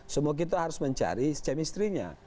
semua kita harus mencari semistrinya